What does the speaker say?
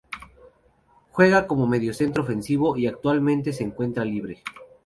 Juega como mediocentro ofensivo y actualmente se encuentra libre.